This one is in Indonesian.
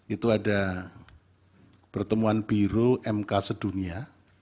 itu ada pertemuan biro mk sedunia